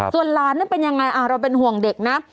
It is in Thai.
ส่วนหลานนั้นเป็นยังไงเราเป็นห่วงเด็กนะ